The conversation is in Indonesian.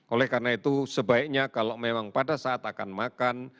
oleh karena itu sebaiknya kalau memang pada saat akan makan